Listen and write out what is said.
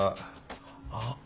あっ。